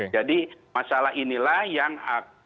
jadi masalah inilah yang akurat